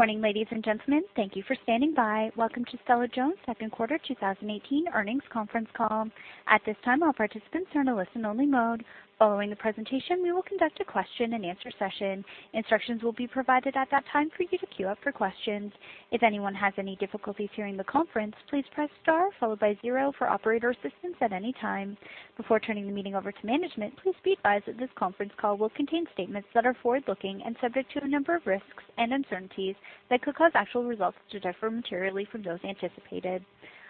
Morning, ladies and gentlemen. Thank you for standing by. Welcome to Stella-Jones Second Quarter 2018 Earnings Conference Call. At this time, all participants are in a listen-only mode. Following the presentation, we will conduct a question-and-answer session. Instructions will be provided at that time for you to queue up for questions. If anyone has any difficulties hearing the conference, please press star followed by 0 for operator assistance at any time. Before turning the meeting over to management, please be advised that this conference call will contain statements that are forward-looking and subject to a number of risks and uncertainties that could cause actual results to differ materially from those anticipated.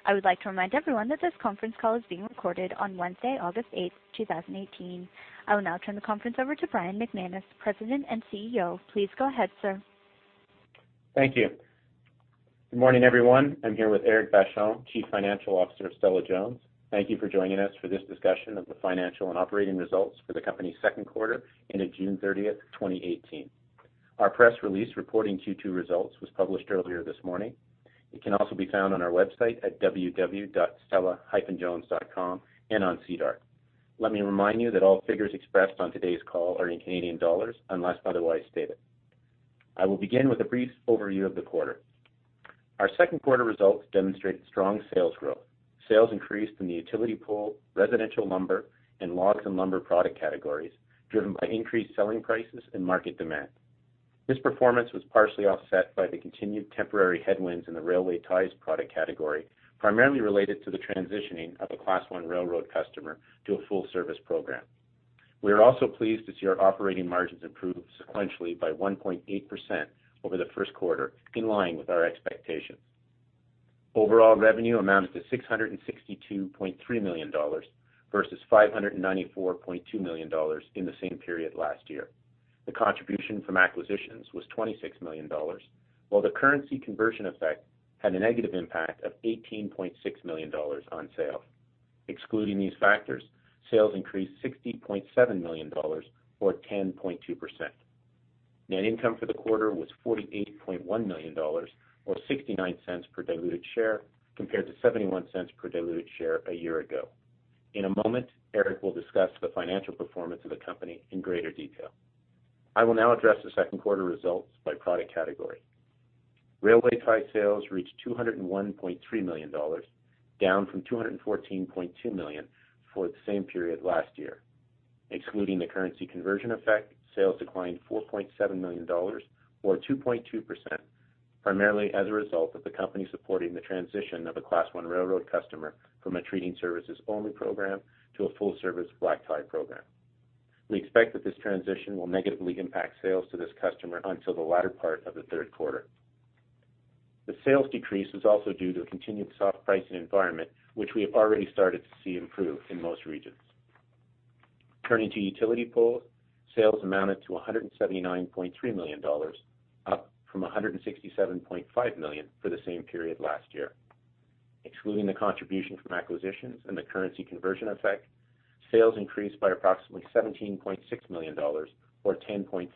I would like to remind everyone that this conference call is being recorded on Wednesday, August 8, 2018. I will now turn the conference over to Brian McManus, President and CEO. Please go ahead, sir. Thank you. Good morning, everyone. I am here with Éric Vachon, Chief Financial Officer of Stella-Jones. Thank you for joining us for this discussion of the financial and operating results for the company's Second Quarter ended June 30, 2018. Our press release reporting Q2 results was published earlier this morning. It can also be found on our website at www.stella-jones.com and on SEDAR. Let me remind you that all figures expressed on today's call are in Canadian dollars unless otherwise stated. I will begin with a brief overview of the quarter. Our Second Quarter results demonstrate strong sales growth. Sales increased in the Utility Pole, Residential Lumber, and Logs and Lumber product categories, driven by increased selling prices and market demand. This performance was partially offset by the continued temporary headwinds in the Railway Ties product category, primarily related to the transitioning of a Class 1 railroad customer to a full-service program. We are also pleased to see our operating margins improve sequentially by 1.8% over the First Quarter, in line with our expectations. Overall revenue amounted to 662.3 million dollars versus 594.2 million dollars in the same period last year. The contribution from acquisitions was 26 million dollars, while the currency conversion effect had a negative impact of 18.6 million dollars on sales. Excluding these factors, sales increased 60.7 million dollars or 10.2%. Net income for the quarter was 48.1 million dollars or 0.69 per diluted share compared to 0.71 per diluted share a year ago. In a moment, Éric will discuss the financial performance of the company in greater detail. I will now address the Second Quarter results by product category. Railway Tie sales reached 201.3 million dollars, down from 214.2 million for the same period last year. Excluding the currency conversion effect, sales declined 4.7 million dollars or 2.2%, primarily as a result of the company supporting the transition of a Class 1 railroad customer from a treating-services-only program to a full-service black-tie program. We expect that this transition will negatively impact sales to this customer until the latter part of the Third Quarter. The sales decrease was also due to a continued soft pricing environment, which we have already started to see improve in most regions. Turning to Utility Poles, sales amounted to 179.3 million dollars, up from 167.5 million for the same period last year. Excluding the contribution from acquisitions and the currency conversion effect, sales increased by approximately 17.6 million dollars or 10.5%.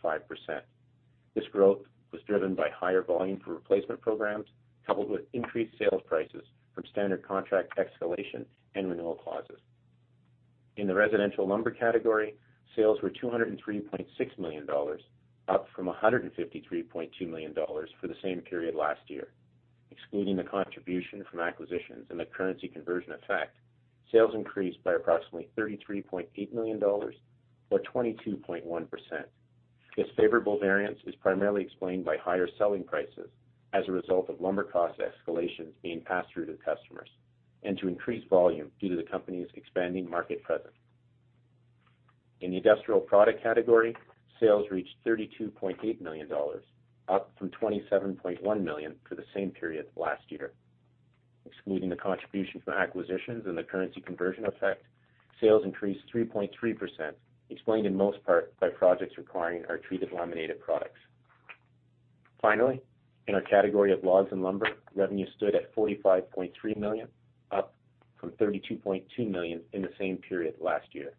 This growth was driven by higher volume for replacement programs, coupled with increased sales prices from standard contract escalation and renewal clauses. In the residential lumber category, sales were 203.6 million dollars, up from 153.2 million dollars for the same period last year. Excluding the contribution from acquisitions and the currency conversion effect, sales increased by approximately 33.8 million dollars or 22.1%. This favorable variance is primarily explained by higher selling prices as a result of lumber cost escalations being passed through to customers and to increased volume due to the company's expanding market presence. In the industrial product category, sales reached 32.8 million dollars, up from 27.1 million for the same period last year. Excluding the contribution from acquisitions and the currency conversion effect, sales increased 3.3%, explained in most part by projects requiring our treated laminated products. Finally, in our category of logs and lumber, revenue stood at 45.3 million, up from 32.2 million in the same period last year.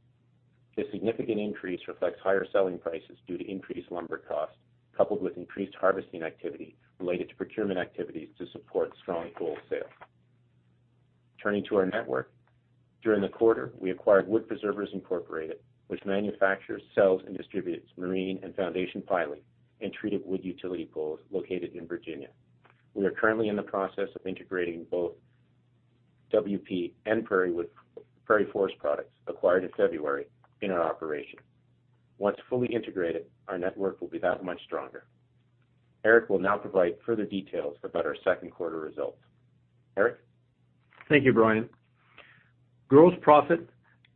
This significant increase reflects higher selling prices due to increased lumber costs, coupled with increased harvesting activity related to procurement activities to support strong pole sales. Turning to our network. During the quarter, we acquired Wood Preservers, Inc., which manufactures, sells, and distributes marine and foundation piling and treated wood utility poles located in Virginia. We are currently in the process of integrating both WP and Prairie Forest Products acquired in February in our operation. Once fully integrated, our network will be that much stronger. Éric will now provide further details about our Q2 results. Éric? Thank you, Brian. Gross profit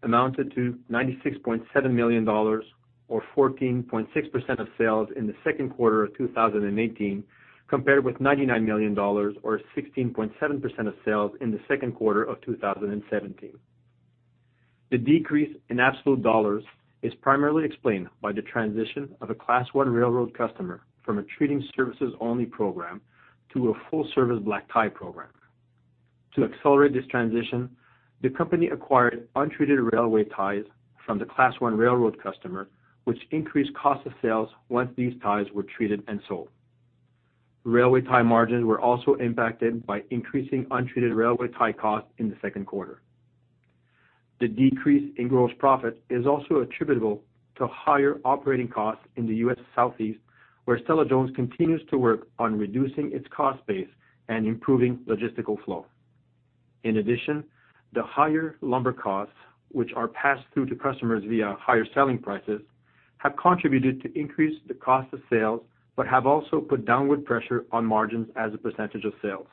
amounted to 96.7 million dollars or 14.6% of sales in Q2 2018, compared with 99 million dollars or 16.7% of sales in Q2 2017. The decrease in absolute dollars is primarily explained by the transition of a Class 1 railroad customer from a treating services only program to a full-service black-tie program. To accelerate this transition, the company acquired untreated railway ties from the Class 1 railroad customer, which increased cost of sales once these ties were treated and sold. Railway tie margins were also impacted by increasing untreated railway tie costs in Q2. The decrease in gross profit is also attributable to higher operating costs in the U.S. Southeast, where Stella-Jones continues to work on reducing its cost base and improving logistical flow. In addition, the higher lumber costs, which are passed through to customers via higher selling prices, have contributed to increase the cost of sales but have also put downward pressure on margins as a percentage of sales.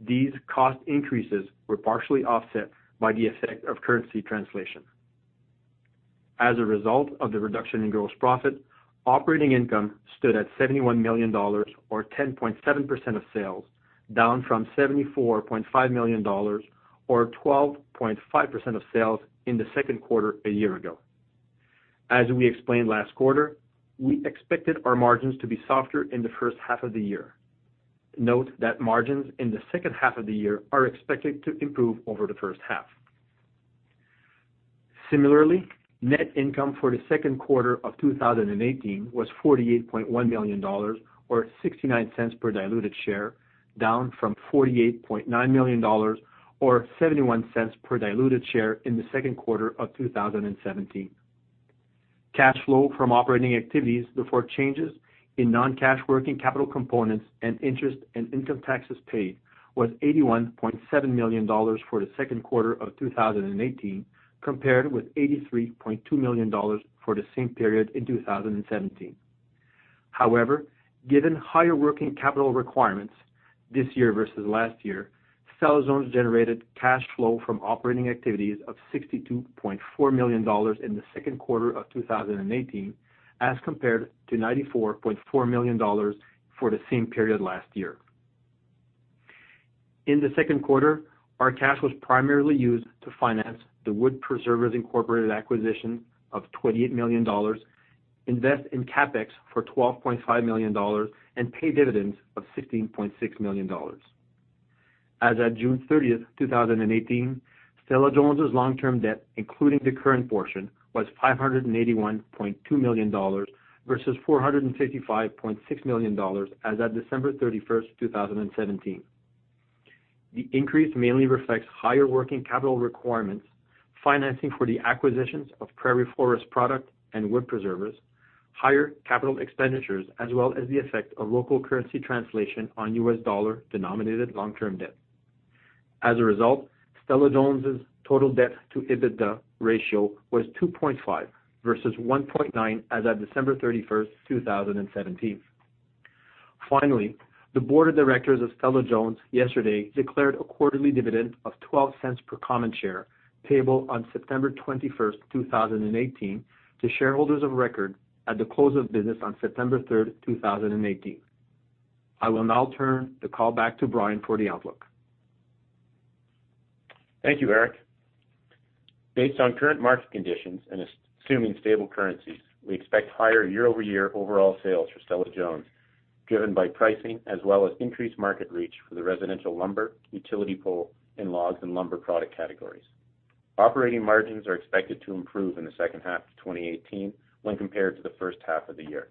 These cost increases were partially offset by the effect of currency translation. As a result of the reduction in gross profit, operating income stood at 71 million dollars or 10.7% of sales, down from 74.5 million dollars, or 12.5% of sales in Q2 a year ago. As we explained last quarter, we expected our margins to be softer in the first half of the year. Note that margins in the second half of the year are expected to improve over the first half. Similarly, net income for the second quarter of 2018 was 48.1 million dollars, or 0.69 per diluted share, down from 48.9 million dollars or 0.71 per diluted share in the second quarter of 2017. Cash flow from operating activities before changes in non-cash working capital components and interest and income taxes paid was 81.7 million dollars for the second quarter of 2018, compared with 83.2 million dollars for the same period in 2017. Given higher working capital requirements this year versus last year, Stella-Jones generated cash flow from operating activities of 62.4 million dollars in the second quarter of 2018 as compared to 94.4 million dollars for the same period last year. In the second quarter, our cash was primarily used to finance the Wood Preservers, Inc. acquisition of 28 million dollars, invest in CapEx for 12.5 million dollars, and pay dividends of 16.6 million dollars. As at June 30th, 2018, Stella-Jones' long-term debt, including the current portion, was 581.2 million dollars versus 455.6 million dollars as at December 31st, 2017. The increase mainly reflects higher working capital requirements, financing for the acquisitions of Prairie Forest Products and Wood Preservers, higher capital expenditures, as well as the effect of local currency translation on U.S. dollar-denominated long-term debt. Stella-Jones' total debt to EBITDA ratio was 2.5 versus 1.9 as at December 31st, 2017. The board of directors of Stella-Jones yesterday declared a quarterly dividend of 0.12 per common share, payable on September 21st, 2018, to shareholders of record at the close of business on September 3rd, 2018. I will now turn the call back to Brian for the outlook. Thank you, Eric. Based on current market conditions and assuming stable currencies, we expect higher year-over-year overall sales for Stella-Jones, driven by pricing as well as increased market reach for the residential lumber, utility pole, and logs and lumber product categories. Operating margins are expected to improve in the second half of 2018 when compared to the first half of the year.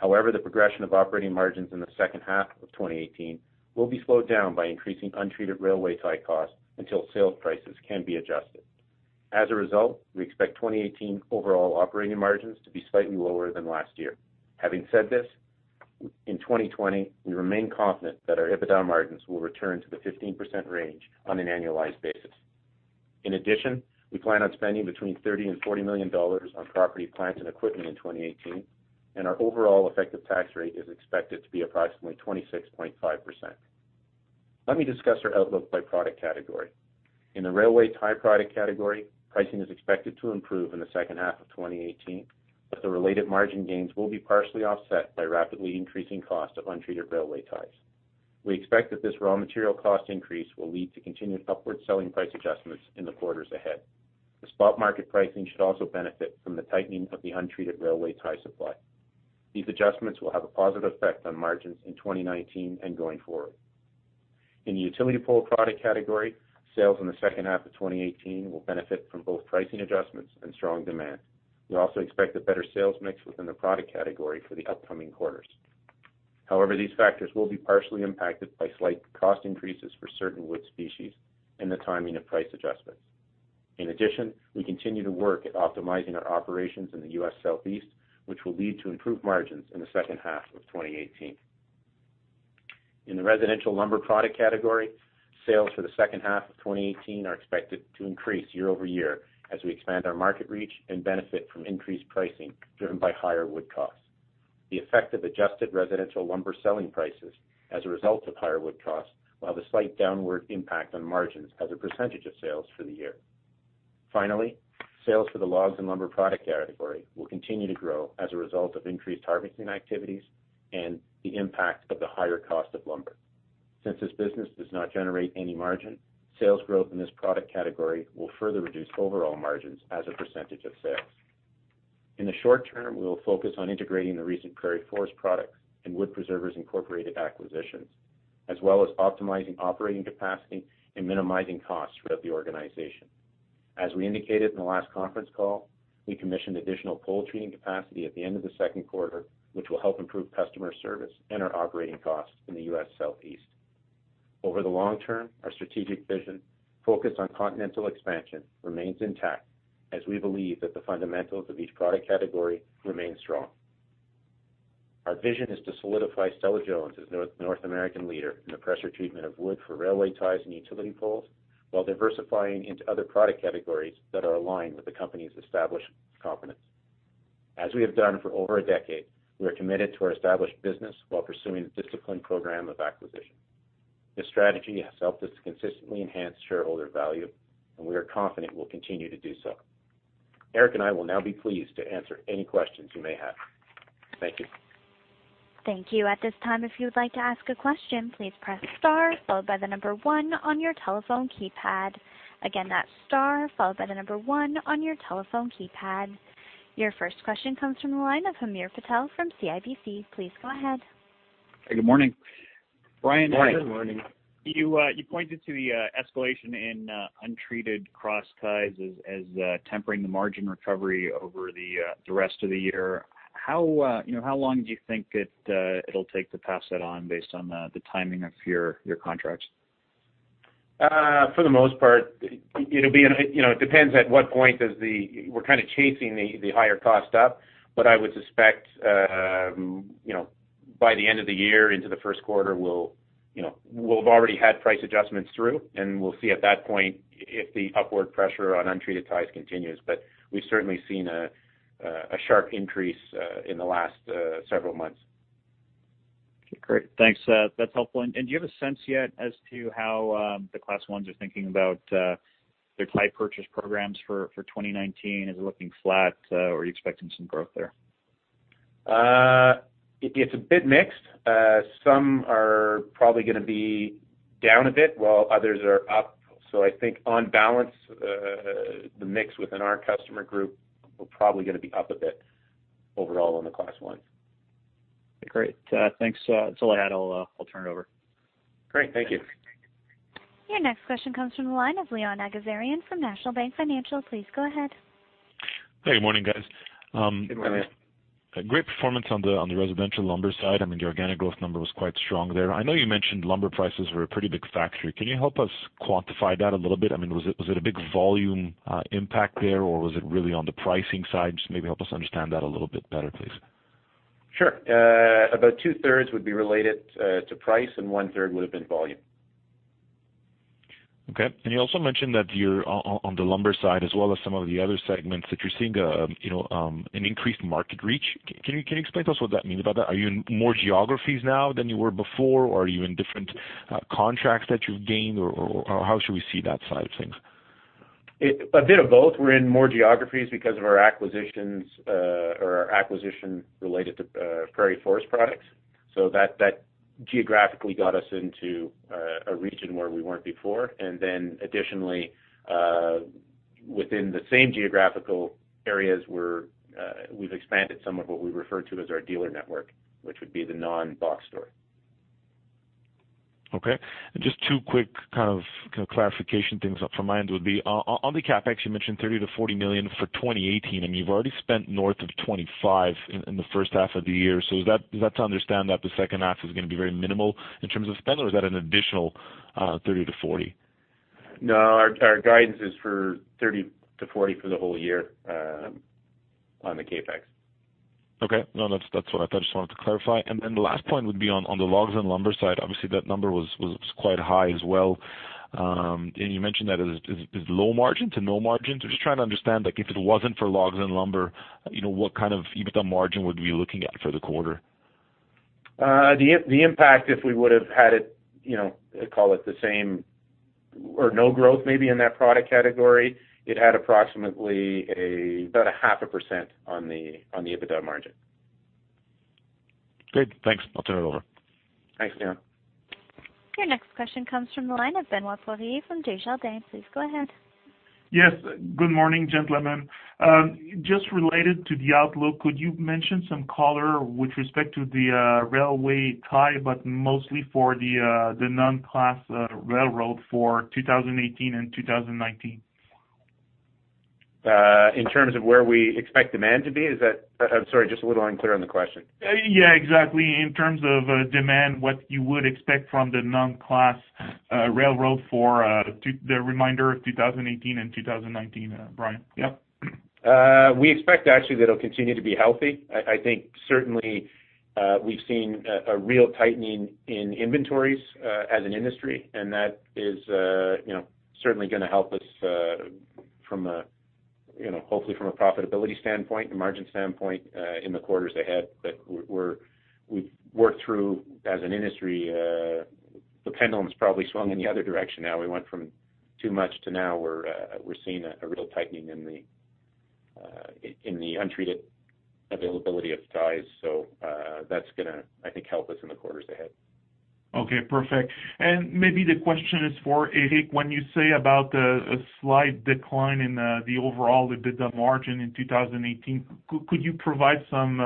The progression of operating margins in the second half of 2018 will be slowed down by increasing untreated railway tie costs until sales prices can be adjusted. We expect 2018 overall operating margins to be slightly lower than last year. Having said this, in 2020, we remain confident that our EBITDA margins will return to the 15% range on an annualized basis. We plan on spending between 30 million and 40 million dollars on property, plant, and equipment in 2018, and our overall effective tax rate is expected to be approximately 26.5%. Let me discuss our outlook by product category. In the railway tie product category, pricing is expected to improve in the second half of 2018, but the related margin gains will be partially offset by rapidly increasing costs of untreated railway ties. We expect that this raw material cost increase will lead to continued upward selling price adjustments in the quarters ahead. The spot market pricing should also benefit from the tightening of the untreated railway tie supply. These adjustments will have a positive effect on margins in 2019 and going forward. In the utility pole product category, sales in the second half of 2018 will benefit from both pricing adjustments and strong demand. We also expect a better sales mix within the product category for the upcoming quarters. These factors will be partially impacted by slight cost increases for certain wood species and the timing of price adjustments. We continue to work at optimizing our operations in the U.S. Southeast, which will lead to improved margins in the second half of 2018. The residential lumber product category, sales for the second half of 2018 are expected to increase year-over-year as we expand our market reach and benefit from increased pricing driven by higher wood costs. The effect of adjusted residential lumber selling prices as a result of higher wood costs will have a slight downward impact on margins as a % of sales for the year. Finally, sales for the logs and lumber product category will continue to grow as a result of increased harvesting activities and the impact of the higher cost of lumber. Since this business does not generate any margin, sales growth in this product category will further reduce overall margins as a % of sales. In the short term, we will focus on integrating the recent Prairie Forest Products and Wood Preservers, Inc. acquisitions, as well as optimizing operating capacity and minimizing costs throughout the organization. As we indicated in the last conference call, we commissioned additional pole treating capacity at the end of the second quarter, which will help improve customer service and our operating costs in the U.S. Southeast. Over the long term, our strategic vision focused on continental expansion remains intact, as we believe that the fundamentals of each product category remain strong. Our vision is to solidify Stella-Jones as the North American leader in the pressure treatment of wood for railway ties and utility poles, while diversifying into other product categories that are aligned with the company's established competence. As we have done for over a decade, we are committed to our established business while pursuing a disciplined program of acquisition. This strategy has helped us to consistently enhance shareholder value, and we are confident we'll continue to do so. Éric and I will now be pleased to answer any questions you may have. Thank you. Thank you. At this time, if you would like to ask a question, please press star followed by the number one on your telephone keypad. Again, that's star followed by the number one on your telephone keypad. Your first question comes from the line of Hamir Patel from CIBC. Please go ahead. Good morning. Good morning. You pointed to the escalation in untreated cross ties as tempering the margin recovery over the rest of the year. How long do you think it'll take to pass that on based on the timing of your contracts? For the most part, it depends at what point. We're kind of chasing the higher cost up, I would suspect, by the end of the year into the first quarter, we'll have already had price adjustments through, and we'll see at that point if the upward pressure on untreated ties continues. We've certainly seen a sharp increase in the last several months. Great. Thanks. That's helpful. Do you have a sense yet as to how the Class Is are thinking about their tie purchase programs for 2019? Is it looking flat or are you expecting some growth there? It's a bit mixed. Some are probably going to be down a bit while others are up. I think on balance, the mix within our customer group, we're probably going to be up a bit overall in the Class Is. Great. Thanks. That's all I had. I'll turn it over. Great. Thank you. Your next question comes from the line of Leon Egizian from National Bank Financial. Please go ahead. Hey, good morning, guys. Good morning. Great performance on the residential lumber side. I mean, the organic growth number was quite strong there. I know you mentioned lumber prices were a pretty big factor. Can you help us quantify that a little bit? I mean, was it a big volume impact there, or was it really on the pricing side? Just maybe help us understand that a little bit better, please. Sure. About two-thirds would be related to price, one-third would've been volume. Okay. You also mentioned that on the lumber side as well as some of the other segments, that you're seeing an increased market reach. Can you explain to us what that means about that? Are you in more geographies now than you were before, or are you in different contracts that you've gained, or how should we see that side of things? A bit of both. We're in more geographies because of our acquisitions or our acquisition related to Prairie Forest Products. That geographically got us into a region where we weren't before. Additionally, within the same geographical areas, we've expanded some of what we refer to as our dealer network, which would be the non-box store. Okay. Just two quick kind of clarification things from my end would be on the CapEx, you mentioned 30 million-40 million for 2018, you've already spent north of 25 in the first half of the year. Is that to understand that the second half is gonna be very minimal in terms of spend, or is that an additional 30-40? No, our guidance is for 30-40 for the whole year on the CapEx. Okay. No, that's what I thought. Just wanted to clarify. The last point would be on the logs and lumber side, obviously, that number was quite high as well. You mentioned that it is low margin to no margin. Just trying to understand, like if it wasn't for logs and lumber, what kind of EBITDA margin would we be looking at for the quarter? The impact, if we would've had it, call it the same or no growth maybe in that product category, it had approximately about a half a percent on the EBITDA margin. Great. Thanks. I'll turn it over. Thanks, Leon. Your next question comes from the line of Benoit Poirier from Desjardins. Please go ahead. Yes. Good morning, gentlemen. Just related to the outlook, could you mention some color with respect to the railway tie, but mostly for the non-Class 1 railroad for 2018 and 2019? In terms of where we expect demand to be? Is that I'm sorry, just a little unclear on the question. Yeah, exactly. In terms of demand, what you would expect from the non-Class railroad for the remainder of 2018 and 2019, Brian? Yep. We expect actually it'll continue to be healthy. I think certainly, we've seen a real tightening in inventories, as an industry, and that is certainly gonna help us, hopefully, from a profitability standpoint and margin standpoint, in the quarters ahead. We've worked through as an industry, the pendulum's probably swung in the other direction now. We went from too much to now we're seeing a real tightening in the untreated availability of ties. That's gonna, I think, help us in the quarters ahead. Okay, perfect. Maybe the question is for Éric. When you say about a slight decline in the overall EBITDA margin in 2018, could you provide some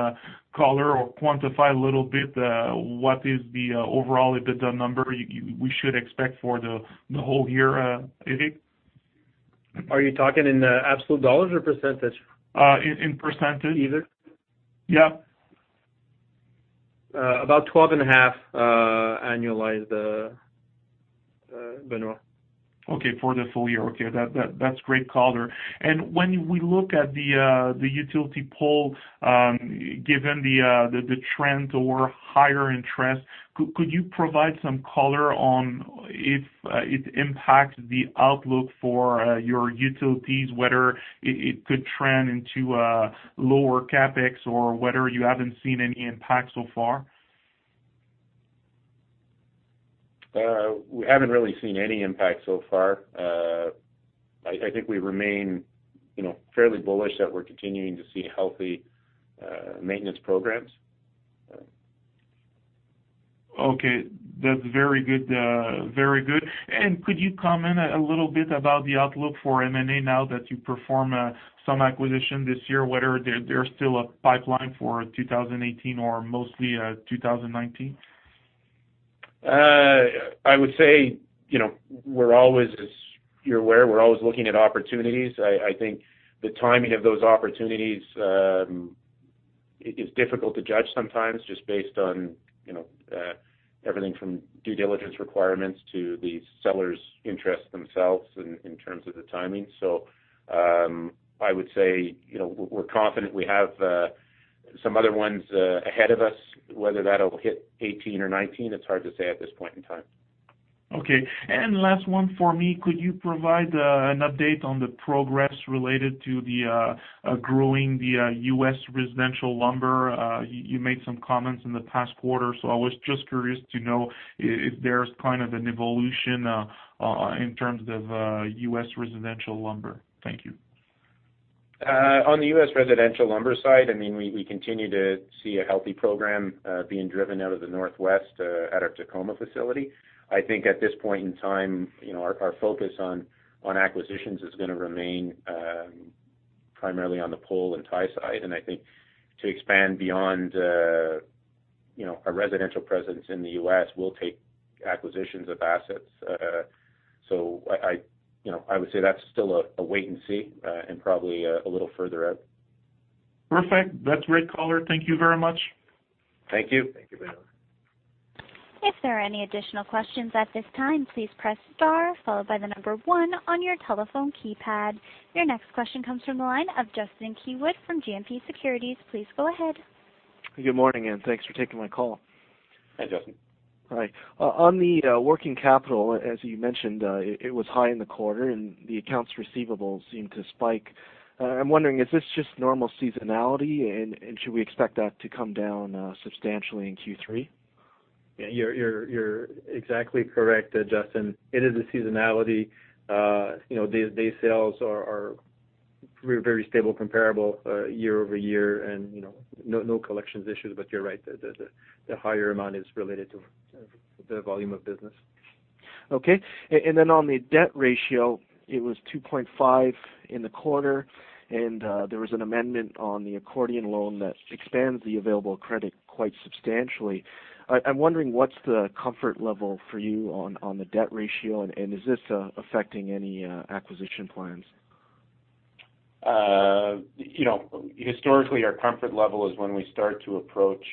color or quantify a little bit what is the overall EBITDA number we should expect for the whole year, Éric? Are you talking in absolute dollars or percentage? In percentage. Either. Yeah. About 12.5 annualized, Benoit. Okay. For the full year. Okay. That's great color. When we look at the utility pole, given the trend toward higher interest, could you provide some color on if it impacts the outlook for your utilities, whether it could trend into lower CapEx or whether you haven't seen any impact so far? We haven't really seen any impact so far. I think we remain fairly bullish that we're continuing to see healthy maintenance programs. Okay. That's very good. Could you comment a little bit about the outlook for M&A now that you performed some acquisition this year, whether there's still a pipeline for 2018 or mostly 2019? I would say, as you're aware, we're always looking at opportunities. I think the timing of those opportunities is difficult to judge sometimes just based on everything from due diligence requirements to the sellers' interests themselves in terms of the timing. I would say, we're confident we have some other ones ahead of us. Whether that will hit 2018 or 2019, it's hard to say at this point in time. Okay. Last one for me, could you provide an update on the progress related to the growing the U.S. residential lumber? You made some comments in the past quarter, I was just curious to know if there's kind of an evolution in terms of U.S. residential lumber. Thank you. On the U.S. residential lumber side, we continue to see a healthy program being driven out of the Northwest at our Tacoma facility. I think at this point in time, our focus on acquisitions is going to remain primarily on the pole and tie side, I think to expand beyond a residential presence in the U.S. will take acquisitions of assets. I would say that's still a wait-and-see, and probably a little further out. Perfect. That's great color. Thank you very much. Thank you. Thank you, Benoit. If there are any additional questions at this time, please press star, followed by the number one on your telephone keypad. Your next question comes from the line of Justin Keywood from GMP Securities. Please go ahead. Good morning, and thanks for taking my call. Hi, Justin. Hi. On the working capital, as you mentioned, it was high in the quarter and the accounts receivable seemed to spike. I'm wondering, is this just normal seasonality, and should we expect that to come down substantially in Q3? Yeah, you're exactly correct, Justin. It is a seasonality. Day sales are very stable, comparable year-over-year, and no collections issues, but you're right, the higher amount is related to the volume of business. Okay. On the debt ratio, it was 2.5 in the quarter, there was an amendment on the accordion loan that expands the available credit quite substantially. I'm wondering what's the comfort level for you on the debt ratio, and is this affecting any acquisition plans? Historically, our comfort level is when we start to approach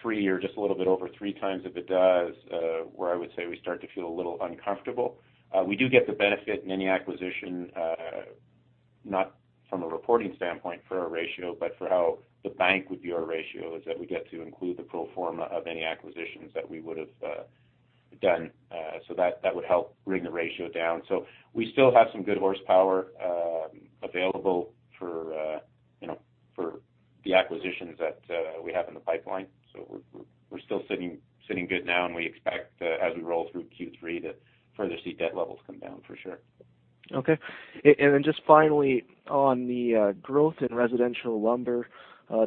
three or just a little bit over three times EBITDA is where I would say we start to feel a little uncomfortable. We do get the benefit in any acquisition, not from a reporting standpoint for our ratio, but for how the bank would view our ratio, is that we get to include the pro forma of any acquisitions that we would've done. That would help bring the ratio down. We still have some good horsepower available for the acquisitions that we have in the pipeline. We're still sitting good now, and we expect as we roll through Q3 to further see debt levels come down for sure. Okay. Just finally, on the growth in residential lumber,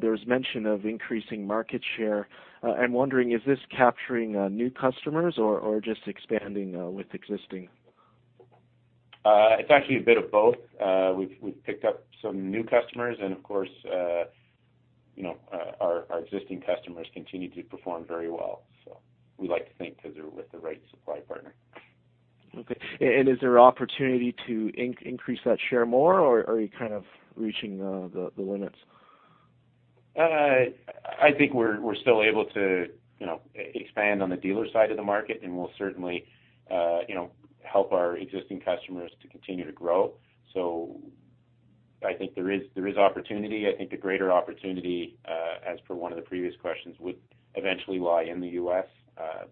there was mention of increasing market share. I'm wondering, is this capturing new customers or just expanding with existing? It's actually a bit of both. We've picked up some new customers and, of course, our existing customers continue to perform very well, we like to think because they're with the right supply partner. Okay. Is there opportunity to increase that share more, or are you kind of reaching the limits? I think we're still able to expand on the dealer side of the market and we'll certainly help our existing customers to continue to grow. I think there is opportunity. I think the greater opportunity, as per one of the previous questions, would eventually lie in the U.S.,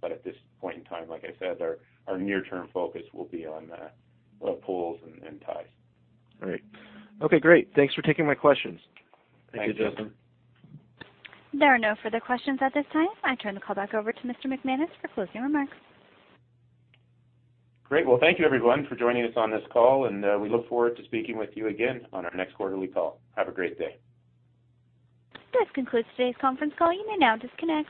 but at this point in time, like I said, our near-term focus will be on poles and ties. Great. Okay, great. Thanks for taking my questions. Thank you, Justin. Thank you, Justin. There are no further questions at this time. I turn the call back over to Mr. McManus for closing remarks. Great. Well, thank you everyone for joining us on this call, and we look forward to speaking with you again on our next quarterly call. Have a great day. This concludes today's conference call. You may now disconnect.